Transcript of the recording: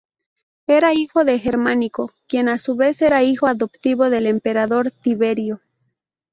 Era hijo de Germánico, quien a su vez era hijo adoptivo del emperador Tiberio.